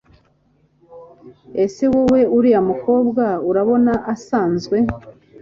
ese wowe uriya mukobwa urabona asanzwe